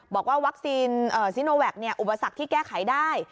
บอกว่าวัคซีนซิโนแวคอุปสรรคที่แก้ไขได้